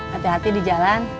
hati hati di jalan